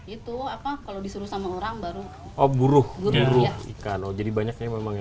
itu apa kalau disuruh sama orang baru oh buruh buruh ikan jadi banyaknya memang ya